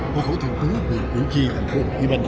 khu khẩu thường bốn huyện cửu chi thành phố yên bình